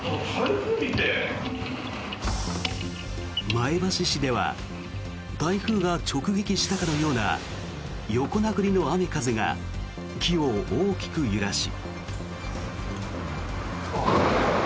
前橋市では台風が直撃したかのような横殴りの雨風が木を大きく揺らし。